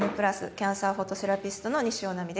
キャンサーフォトセラピストの西尾菜美です